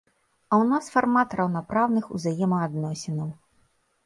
А ў нас фармат раўнапраўных узаемаадносінаў.